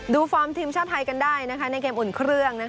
ฟอร์มทีมชาติไทยกันได้ในเกมอุ่นเครื่อง